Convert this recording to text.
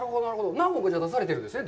何本か出されてるんですね。